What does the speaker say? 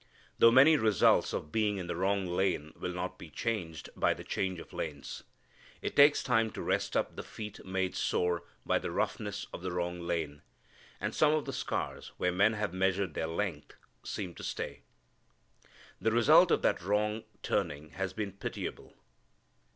Though many results of being in the wrong lane will not be changed by the change of lanes. It takes time to rest up the feet made sore by the roughness of the wrong lane. And some of the scars, where men have measured their length, seem to stay. The result of that wrong turning has been pitiable.